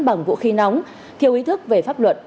bằng vũ khí nóng thiếu ý thức về pháp luật